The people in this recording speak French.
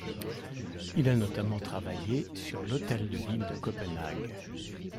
Il a notamment travaillé sur l'hôtel de ville de Copenhague.